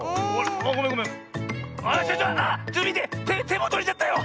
てもとれちゃったよ！